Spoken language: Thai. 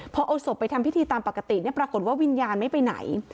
พอเอาศพไปทำพิธีตามปกติปรากฏว่าวิญญาณไม่ไปไหน